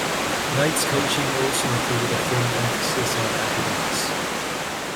Knight's coaching also included a firm emphasis on academics.